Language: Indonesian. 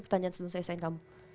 pertanyaan sebelum saya sign kamu